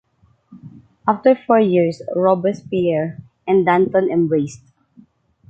After four years Robespierre and Danton embraced.